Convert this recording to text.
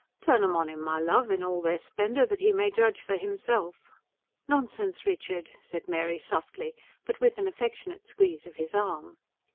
Turn 'em on him, my love, in all their splendour, that he may judge for himself." "Nonsense, Richard," said Mary softly, but with an affectionate squeeze of his arm.